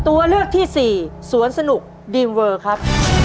ตัวเลือกที่สี่สวนสนุกดีมเวอร์ครับ